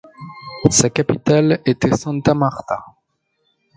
Sa capitale était Santa Marta.